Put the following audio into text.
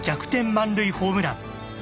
満塁ホームラン。